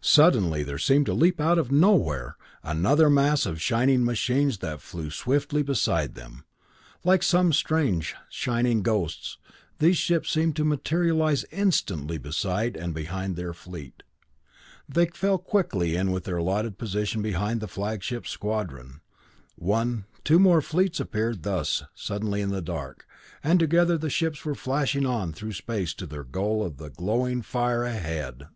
Suddenly there seemed to leap out of nowhere another mass of shining machines that flew swiftly beside them. Like some strange, shining ghosts, these ships seemed to materialize instantly beside and behind their fleet. They fell in quickly in their allotted position behind the Flagship's squadron. One two more fleets appeared thus suddenly in the dark, and together the ships were flashing on through space to their goal of glowing fire ahead!